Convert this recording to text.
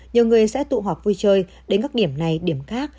nhiều người sẽ tụ họp vui chơi đến các điểm này điểm khác